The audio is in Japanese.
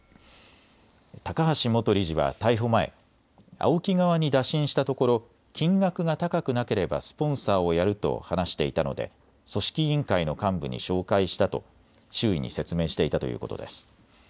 高橋元理事は逮捕前、ＡＯＫＩ側に打診したところ金額が高くなければスポンサーをやると話していたので組織委員会の幹部に紹介したと周囲に説明していたということです。